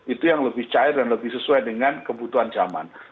itu yang lebih cair dan lebih sesuai dengan kebutuhan zaman